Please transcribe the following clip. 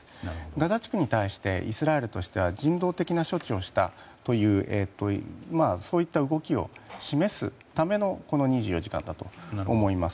ガザ地区に対してイスラエルとしては人道的な処置をしたというそういった動きを示すためのこの２４時間だと思います。